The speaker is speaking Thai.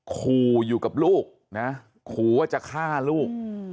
ขู่อยู่กับลูกนะขู่ว่าจะฆ่าลูก